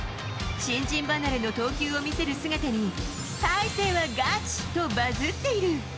新人離れの投球を見せる姿に、大勢はガチとバズっている。